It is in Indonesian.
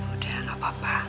udah gak apa apa